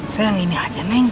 saya yang ini aja neng